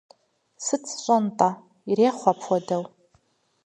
Сыт сщӀэн-тӀэ, ирехъу апхуэдэу.